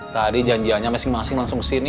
tadi janjiannya masing masing langsung kesini